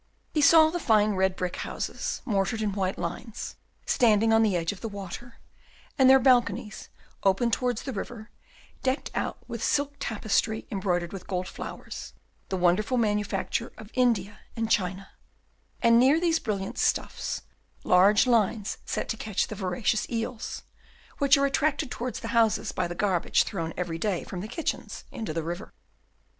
He saw the fine red brick houses, mortared in white lines, standing on the edge of the water, and their balconies, open towards the river, decked out with silk tapestry embroidered with gold flowers, the wonderful manufacture of India and China; and near these brilliant stuffs, large lines set to catch the voracious eels, which are attracted towards the houses by the garbage thrown every day from the kitchens into the river.